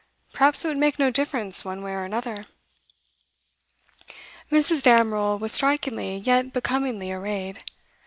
Perhaps it would make no difference one way or another.' Mrs. Damerel was strikingly, yet becomingly, arrayed.